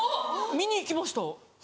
見に行きました。